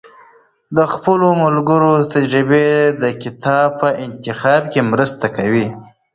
د خپلو ملګرو تجربې د کتاب په انتخاب کې مرسته کوي.